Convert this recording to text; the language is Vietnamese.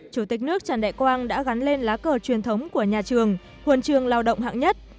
chủ tịch nước trần đại quang đã gắn lên lá cờ truyền thống của nhà trường huân trường lao động hạng nhất